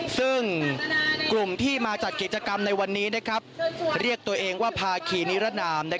ซึ่งกลุ่มที่มาจัดกิจกรรมในวันนี้เรียกตัวเองว่าภาคีนิรนาม